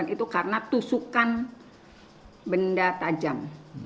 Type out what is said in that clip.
itu karena tusukan benda tajam